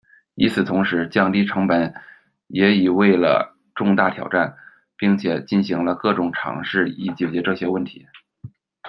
与此同时，降低成本也已为了重大挑战，并且进行了各种尝试以解决这些问题。